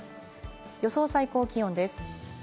予想最高気温です。